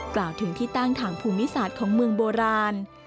กล่าวถึงที่ตั้งทางภูมิศาสตร์ของเมืองโบราณ